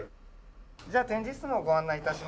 じゃあ展示室のご案内致します。